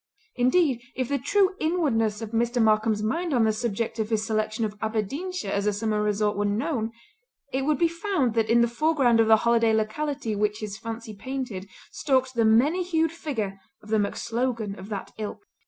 Indeed, if the true inwardness of Mr. Markam's mind on the subject of his selection of Aberdeenshire as a summer resort were known, it would be found that in the foreground of the holiday locality which his fancy painted stalked the many hued figure of the MacSlogan of that Ilk.